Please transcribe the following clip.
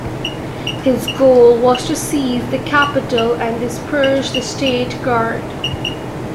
His goal was to seize the capital and disperse the State Guard.